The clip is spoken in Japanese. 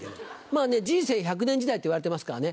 まぁね人生１００年時代っていわれてますからね